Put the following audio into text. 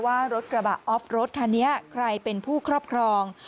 ว่ารถกระบะออฟรถคันนี้ใครเป็นผู้ครอบครอง